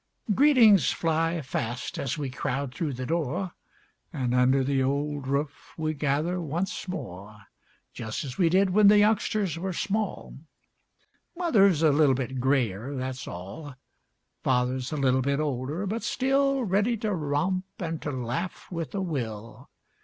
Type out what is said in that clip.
Greetings fly fast as we crowd through the door And under the old roof we gather once more Just as we did when the youngsters were small; Mother's a little bit grayer, that's all. Father's a little bit older, but still Ready to romp an' to laugh with a will.